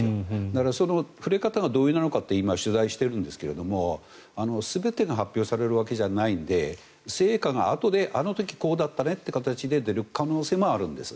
だからその触れ方がどうなのかって今、取材しているんですが全てが発表されるわけではないので成果があとであの時、こうだったねという形で出る可能性もあるんです。